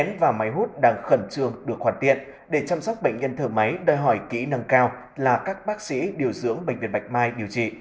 máy và máy hút đang khẩn trương được hoàn tiện để chăm sóc bệnh nhân thở máy đòi hỏi kỹ năng cao là các bác sĩ điều dưỡng bệnh viện bạch mai điều trị